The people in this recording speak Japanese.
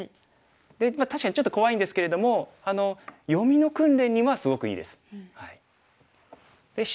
で確かにちょっと怖いんですけれども読みの訓練にはすごくいいです。